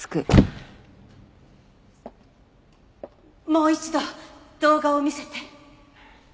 もう一度動画を見せて。